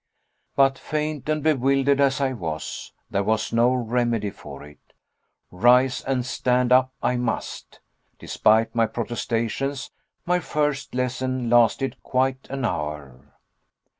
But faint and bewildered as I was, there was no remedy for it. Rise and stand up I must. Despite my protestations my first lesson lasted quite an hour.